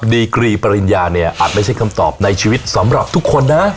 ดีกรีปริญญาเนี่ยอาจไม่ใช่คำตอบในชีวิตสำหรับทุกคนนะ